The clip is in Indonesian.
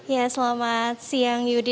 ya selamat siang yudi